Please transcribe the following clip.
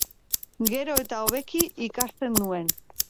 Gero eta hobeki ikasten nuen.